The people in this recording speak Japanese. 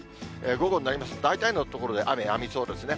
午後になりますと、大体の所で雨やみそうですね。